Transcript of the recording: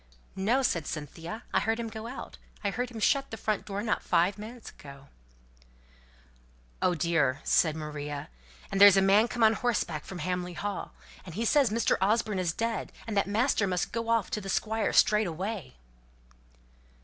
"No!" said Cynthia. "I heard him go out. I heard him shut the front door not five minutes ago." "Oh, dear!" said Maria. "And there's a man come on horseback from Hamley Hall, and he says as Mr. Osborne is dead, and that master must go off to the Squire straight away."